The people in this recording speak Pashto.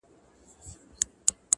• کرښه د باندي ایستلې چا ده,